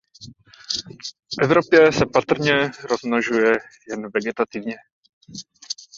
V Evropě se patrně rozmnožuje jen vegetativně.